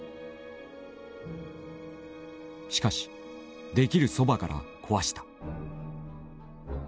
しかしできるそばから壊した。